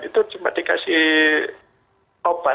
itu cuma dikasih obat